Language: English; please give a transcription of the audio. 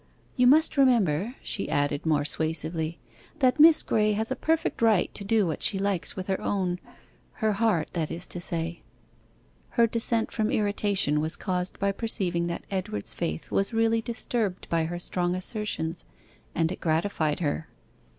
'You must remember,' she added more suasively, 'that Miss Graye has a perfect right to do what she likes with her own her heart, that is to say.' Her descent from irritation was caused by perceiving that Edward's faith was really disturbed by her strong assertions, and it gratified her.